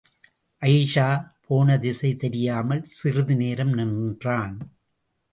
அயிஷா போனதிசை தெரியாமல், சிறிதுநேரம் நின்றான்.